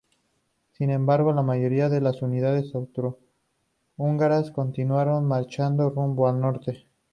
Sin embargo, la mayoría de las unidades austrohúngaras continuaron marchando rumbo al norte.